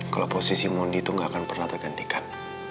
kalo posisi monty itu gak akan pernah tergantikan